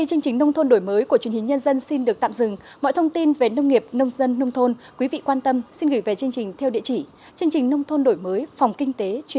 xin kính chào và hẹn gặp lại trong các chương trình sau